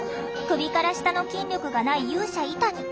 首から下の筋力がない勇者イタニ。